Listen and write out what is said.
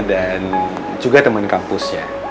dan juga temen kampusnya